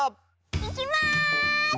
いきます！